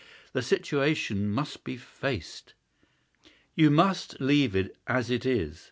The situation must be faced." "You must leave it as it is.